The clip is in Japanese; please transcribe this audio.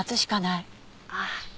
ああ。